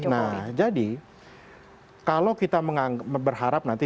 nah jadi kalau kita berharap nanti